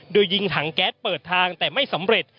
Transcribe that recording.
โดยยิงถังแก๊สเปิดทางแต่ไม่สำเร็จ